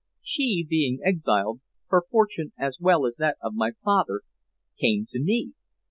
She being exiled, her fortune, as well as that of my father, came to me.